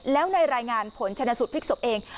แล้วในรายงานผลชนสุทธิพิกษบเอง